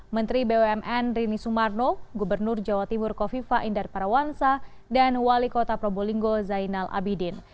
menteri bumn rini sumarno gubernur jawa timur kofifa indar parawansa dan wali kota probolinggo zainal abidin